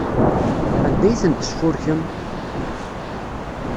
Anda ay tent-tesfurkem?